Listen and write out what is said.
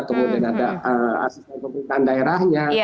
kemudian ada asisten pemerintahan daerahnya